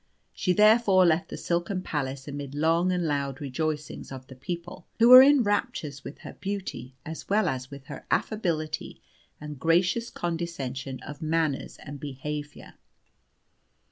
She therefore left the silken palace amid long and loud rejoicings of the people, who were in raptures with her beauty as well as with her affability and gracious condescension of manners and behaviour.